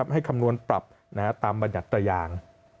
ให้คำนวณผลับตามบัญญัติระยาง